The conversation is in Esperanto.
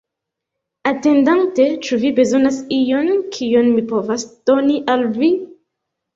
Atendante, ĉu vi bezonas ion, kion mi povas doni al vi?